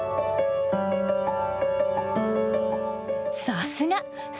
さすが！